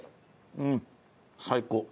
うん最高。